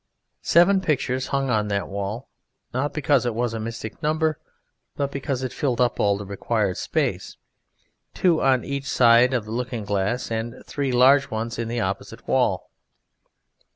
Seven pictures hung on that wall; not because it was a mystic number, but because it filled up all the required space; two on each side of the looking glass and three large ones on the opposite wall.